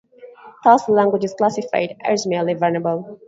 Thus the language is classified as merely vulnerable.